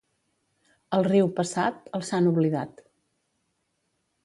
El riu passat, el sant oblidat.